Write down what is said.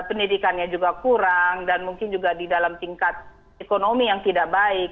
pendidikannya juga kurang dan mungkin juga di dalam tingkat ekonomi yang tidak baik